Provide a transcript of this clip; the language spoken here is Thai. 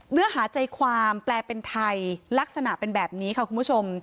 เนื้อหาใจความแปลเป็นไทยลักษณะเป็นแบบนี้ค่ะคุณผู้ชม